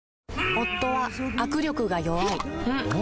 夫は握力が弱い